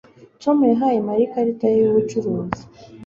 Tom yahaye Mariya ikarita ye yubucuruzi